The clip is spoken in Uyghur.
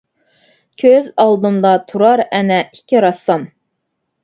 كۆز ئالدىمدا تۇرار ئەنە، ئىككى رەسسام.